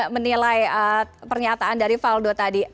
menilai pernyataan dari valdo tadi